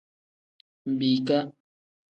Mbiika.